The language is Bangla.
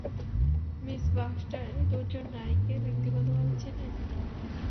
মিস ব্যাক্সটার, এই দুইজন নারীকে ব্যক্তিগতভাবে চেনেন?